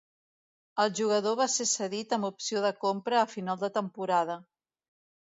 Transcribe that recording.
El jugador va ser cedit amb opció de compra a final de temporada.